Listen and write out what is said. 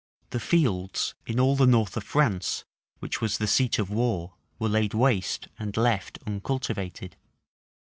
The fields in all the north of France, which was the seat of war, were laid waste and left uncultivated.